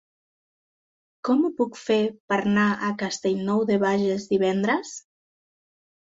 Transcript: Com ho puc fer per anar a Castellnou de Bages divendres?